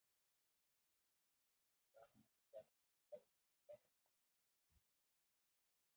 Ferrán Monegal hace un repaso a la televisión.